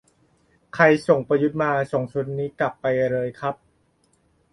"ใครส่งประยุทธ์มา ส่งชุดนี้กลับไปเลยครับ"